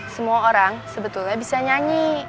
semua orang sebetulnya bisa nyanyi